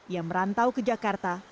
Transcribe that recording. yang merantau ke jakarta